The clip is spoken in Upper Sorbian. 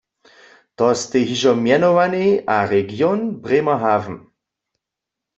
To stej hižo mjenowanej a region Bremerhaven.